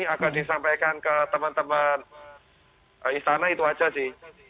agak disampaikan ke teman teman istana itu aja sih